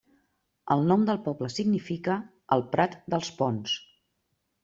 El nom del poble significa 'el prat dels ponts'.